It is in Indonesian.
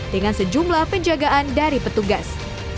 dengan sejumlah penjagaan dari petugas